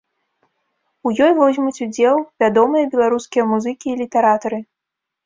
У ёй возьмуць удзел вядомыя беларускія музыкі і літаратары.